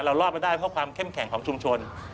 รอดมาได้เพราะความเข้มแข็งของชุมชน